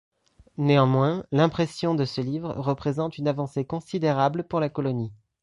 Néanmoins, l'impression de ce livre représente une avancée considérable pour la colonie.